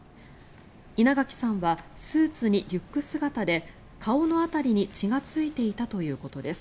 稲垣さんはスーツにリュック姿で顔の辺りに血がついていたということです。